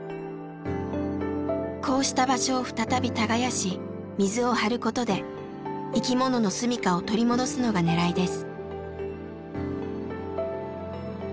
こうした場所を再び耕し水を張ることで生きもののすみかを取り戻すのがねらいです。